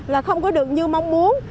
là không có được như mong muốn